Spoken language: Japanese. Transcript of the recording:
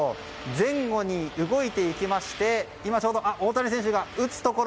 前後に動いていきまして今ちょうど大谷選手が打つところ。